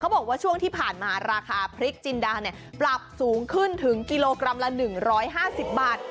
บอกว่าช่วงที่ผ่านมาราคาพริกจินดาปรับสูงขึ้นถึงกิโลกรัมละ๑๕๐บาท